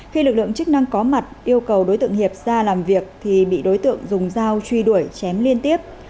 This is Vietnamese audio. khi lực lượng chức năng có mặt yêu cầu đối tượng hiệp ra làm việc thì bị đối tượng dùng dao truy đuổi chém liên tiếp